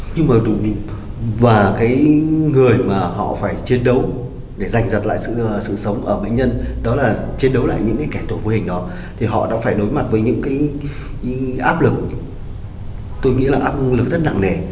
nhưng mà cái người mà họ phải chiến đấu để giành giật lại sự sống ở bệnh nhân đó là chiến đấu lại những cái kẻ tổ vô hình đó thì họ đã phải đối mặt với những cái áp lực tôi nghĩ là áp lực rất nặng nề